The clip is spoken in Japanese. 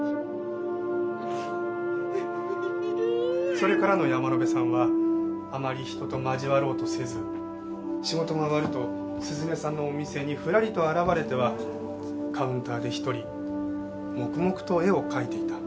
それからの山野辺さんはあまり人と交わろうとせず仕事が終わると涼音さんのお店にふらりと現れてはカウンターで一人黙々と絵を描いていた。